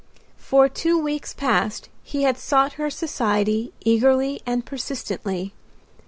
For two weeks past he had sought her society eagerly and persistently.